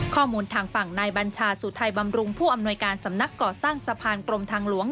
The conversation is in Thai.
ทางฝั่งนายบัญชาสุทัยบำรุงผู้อำนวยการสำนักก่อสร้างสะพานกรมทางหลวง